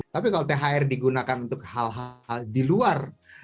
tapi kalau thr digunakan untuk hal hal di luar